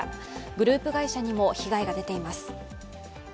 グループ会社にも被害が出ています。